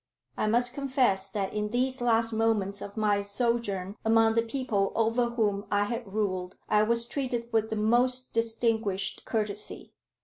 I must confess that in these last moments of my sojourn among the people over whom I had ruled, I was treated with the most distinguished courtesy.